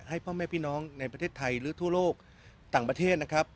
พ่อแม่พี่น้องในประเทศไทยหรือทั่วโลกต่างประเทศนะครับ